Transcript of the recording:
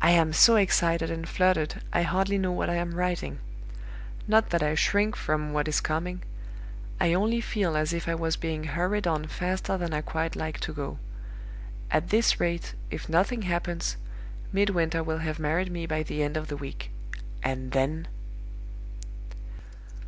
"I am so excited and fluttered, I hardly know what I am writing. Not that I shrink from what is coming I only feel as if I was being hurried on faster than I quite like to go. At this rate, if nothing happens, Midwinter will have married me by the end of the week. And then